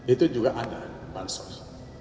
itu juga ada bansos